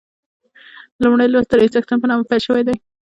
لومړی لوست د لوی څښتن په نامه پیل شوی دی.